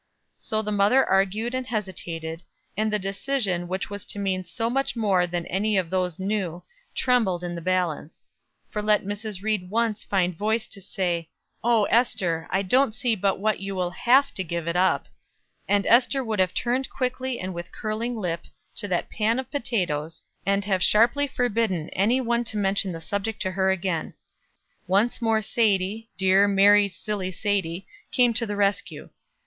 So the mother argued and hesitated, and the decision which was to mean so much more than any of those knew, trembled in the balance; for let Mrs. Ried once find voice to say, "Oh, Ester, I don't see but what you will have to give it up," and Ester would have turned quickly and with curling lip, to that pan of potatoes, and have sharply forbidden any one to mention the subject to her again. Once more Sadie, dear, merry, silly Sadie, came to the rescue.